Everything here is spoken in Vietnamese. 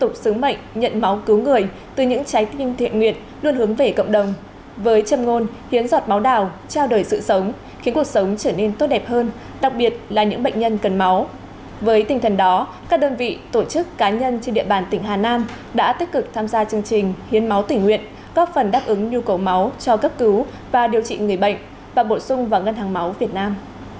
các phần đáp ứng nhu cầu máu cho cấp cứu và điều trị người bệnh và bổ sung vào ngân hàng máu việt nam